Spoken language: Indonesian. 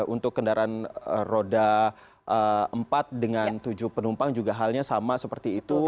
untuk kendaraan roda empat dengan tujuh penumpang juga halnya sama seperti itu